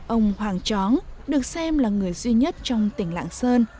ông hoàng chóng được xem là người duy nhất trong tỉnh lạng sơn